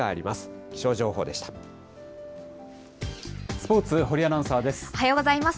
スポーツ、堀アナウンサーです。